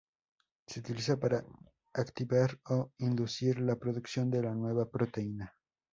Se utiliza para activar o inducir la producción de la nueva proteína.